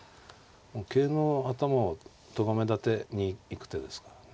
桂の頭をとがめだてに行く手ですからね。